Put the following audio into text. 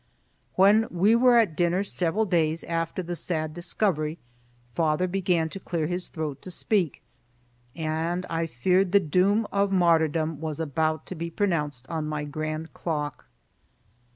When we were at dinner several days after the sad discovery, father began to clear his throat to speak, and I feared the doom of martyrdom was about to be pronounced on my grand clock.